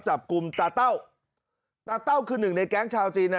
จับกลุ่มตาเต้าตาเต้าคือหนึ่งในแก๊งชาวจีนอ่ะ